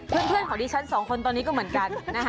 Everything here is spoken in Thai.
เพื่อนเขาดีชั้น๒คนตอนนี้ก็เหมือนกัน